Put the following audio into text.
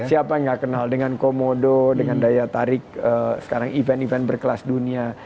siapa yang gak kenal dengan komodo dengan daya tarik sekarang event event berkelas dunia